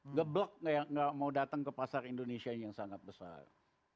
ngeblok nggak mau datang ke pasar indonesia yang sangat besar